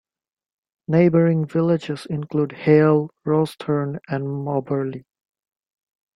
Neighbouring villages include Hale, Rostherne and Mobberley.